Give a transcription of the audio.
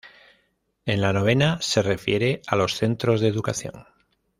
En la novena se refiere a los centros de educación.